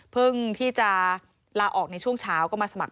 ที่จะลาออกในช่วงเช้าก็มาสมัคร